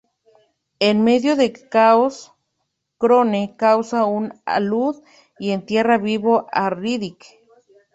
En medio del caos, Krone causa un alud y entierra vivo a Riddick.